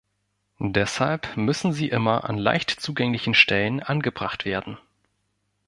Deshalb müssen sie immer an leicht zugänglichen Stellen angebracht werden.